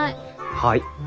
はい。